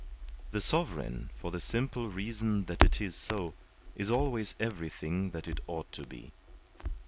The sovereign, for the simple reason that it is so, is always everything that it ought to be.